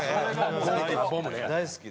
大好きで。